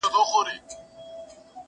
زه ولاړ یم پر ساحل باندي زنګېږم؛